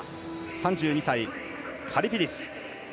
３２歳、カリピディス。